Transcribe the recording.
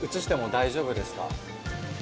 大丈夫ですか？